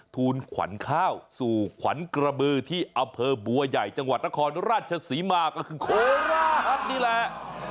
ทูลขวัญข้าวสู่ขวัญกระบือที่อำเภอบัวใหญ่จังหวัดนครราชศรีมาก็คือโคราชนี่แหละ